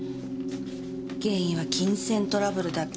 原因は金銭トラブルだって。